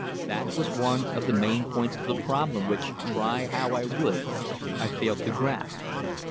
That was one of the main points of the problem which, try how I would, I failed to grasp.